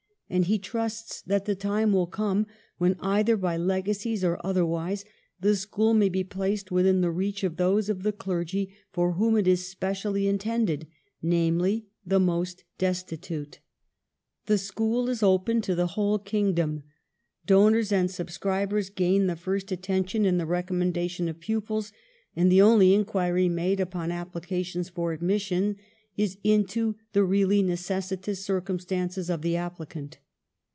And he trusts that the time will arrive when, either by legacies or other wise, the school may be placed within the reach of those of the clergy for whom it is specially in tended — namely, the most destitute. CO IVAN'S BRIDGE. 41 " The school is open to the whole kingdom. Donors and subscribers gain the first attention in the recommendation of pupils ; and the only inquiry made upon applications for admission is into the really necessitous circumstances of the applicant.